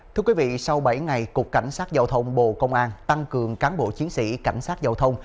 thưa quý vị sau bảy ngày cục cảnh sát giao thông bộ công an tăng cường cán bộ chiến sĩ cảnh sát giao thông